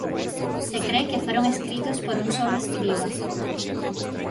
Se cree que fueron escritos por un solo escriba.